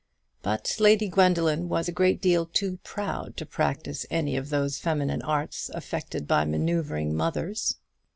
But Lady Gwendoline was a great deal too proud to practise any of those feminine arts affected by manoeuvring mothers.